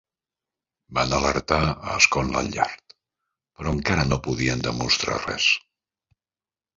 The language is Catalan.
Van alertar a Scotland Yard, però encara no podien demostrar res.